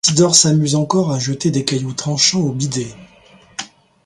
Zidore s'amuse encore à jeter des cailloux tranchants au bidet.